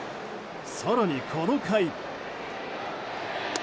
更に、この回。